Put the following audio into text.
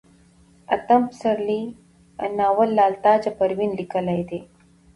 اتم پسرلی ناول لال تاجه پروين ليکلئ دی